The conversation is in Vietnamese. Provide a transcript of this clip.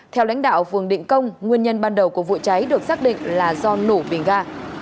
theo lãnh đạo vườn định công nguyên nhân ban đầu của vụ cháy được xác định là do nổ bình ga